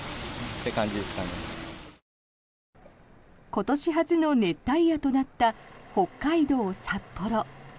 今年初の熱帯夜となった北海道札幌。